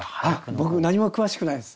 僕何も詳しくないです。